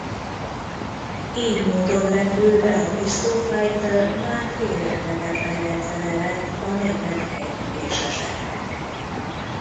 Ily módon repülve a Bristol Fighter már félelmetes ellenfele lett a német együléseseknek.